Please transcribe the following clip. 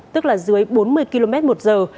tức là dưới bốn mươi km một giờ